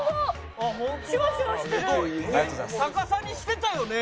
逆さにしてたよね？